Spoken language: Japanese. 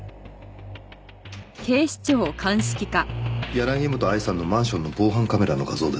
柳本愛さんのマンションの防犯カメラの画像です。